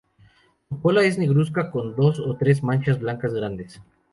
Su cola es negruzca con dos o tres manchas blancas grandes.